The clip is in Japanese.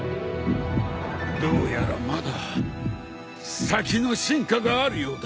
どうやらまだ先の進化があるようだ。